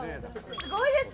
すごいですね。